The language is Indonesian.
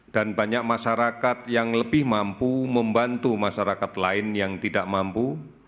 dan banyak masyarakat yang lebih mampu membantu masyarakat lain yang tidak mampu